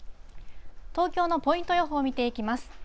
東京のポイント予報見ていきます。